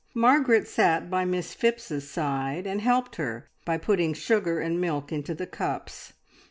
Margaret sat by Miss Phipps's side, and helped her by putting sugar and milk into the cups.